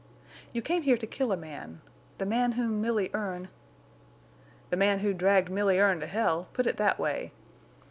"You came here to kill a man—the man whom Milly Erne—" "The man who dragged Milly Erne to hell—put it that way!...